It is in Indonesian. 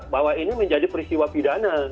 bahwa ini menjadi peristiwa pidana